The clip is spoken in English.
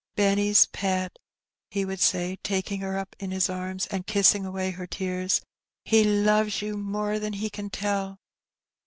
"Benny's pet,'' he would say, taking her up in his arms and kissing away her tears ; "he loves you more than he can tell."